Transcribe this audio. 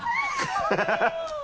ハハハ